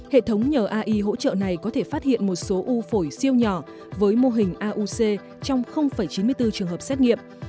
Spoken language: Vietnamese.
hệ thống nhờ ai hỗ trợ này có thể phát hiện một số u phổi siêu nhỏ với mô hình auc trong chín mươi bốn trường hợp xét nghiệm